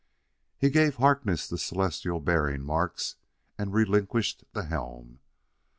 He gave Harkness the celestial bearing marks and relinquished the helm.